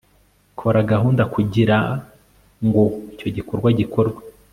kora gahunda kugirango icyo gikorwa gikorwe